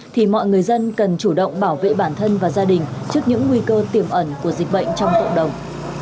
thì mọi người dân cần chủ động bảo vệ bản thân và gia đình trước những nguy cơ tiềm ẩn của dịch bệnh trong cộng đồng